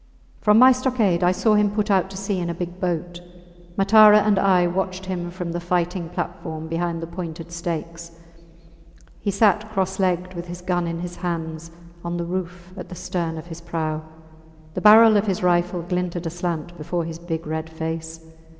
From my stockade I saw him put out to sea in a big boat. Matara and I watched him from the fighting platform behind the pointed stakes. He sat cross legged, with his gun in his hands, on the roof at the stern of his prau. The barrel of his rifle glinted aslant before his big red face.